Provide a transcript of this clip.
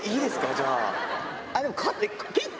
じゃあ。